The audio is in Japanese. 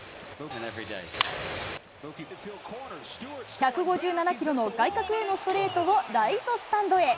１５７キロの外角へのストレートをライトスタンドへ。